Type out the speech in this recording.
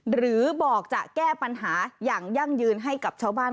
หรือบอกจะแก้ปัญหาอย่างยั่งยืนให้กับชาวบ้าน